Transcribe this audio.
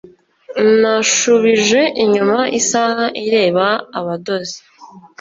nashubije inyuma isaha ireba abadozi,